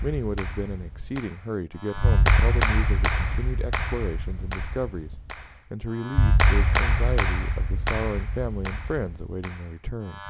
Many would have been in exceeding hurry to get home to tell the news of the continued explorations and discoveries, and to relieve the anxiety of the sorrowing family and friends awaiting their return.